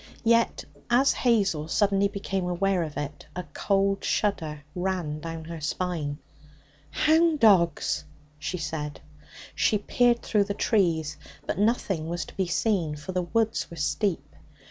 Yet, as Hazel suddenly became aware of it, a cold shudder ran down her spine. 'Hound dogs!' she said. She peered through the trees, but nothing was to be seen, for the woods were steep.